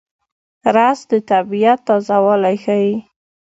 رس د طبیعت تازهوالی ښيي